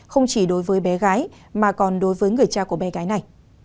không chỉ đối với bé gái mà còn đối với người cha của bé gái này